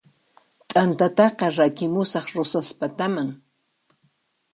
T'antataqa rakimusaq Rosaspataman